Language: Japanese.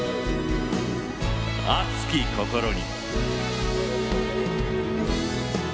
「熱き心に」。